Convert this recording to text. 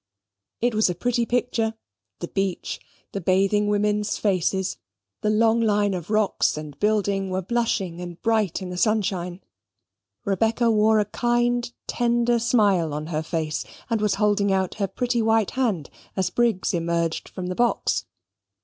It was a pretty picture: the beach; the bathing women's faces; the long line of rocks and building were blushing and bright in the sunshine. Rebecca wore a kind, tender smile on her face, and was holding out her pretty white hand as Briggs emerged from the box.